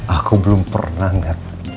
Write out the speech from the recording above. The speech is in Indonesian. aku belum pernah ngeliat